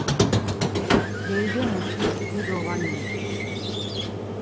geidemuşi dido va ninçu...